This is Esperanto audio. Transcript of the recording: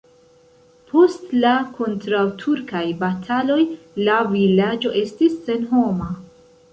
Post la kontraŭturkaj bataloj la vilaĝo estis senhoma.